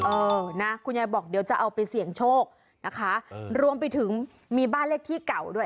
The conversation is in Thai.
เออนะคุณยายบอกเดี๋ยวจะเอาไปเสี่ยงโชคนะคะรวมไปถึงมีบ้านเลขที่เก่าด้วย